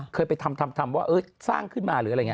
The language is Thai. เคยไปทำว่าสร้างขึ้นมา